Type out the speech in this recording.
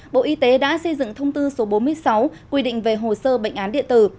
bộ y tế đã xây dựng thông tư số bốn mươi sáu quy định về hồ sơ bệnh án điện tử